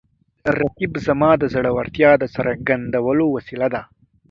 رقیب زما د زړورتیا د څرګندولو وسیله ده